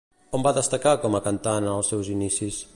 On va destacar com a cantant en els seus inicis?